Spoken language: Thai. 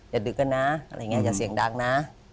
ดึกกันนะอะไรอย่างนี้อย่าเสียงดังนะ